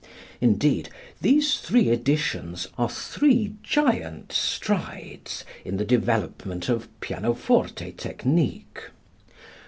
Indeed, these three editions are three giant strides in the development of pianoforte technique.